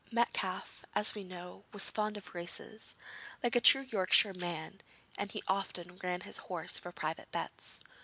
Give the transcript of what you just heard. Metcalfe, as we know, was fond of races, like a true Yorkshire man, and he often ran his horse for private bets.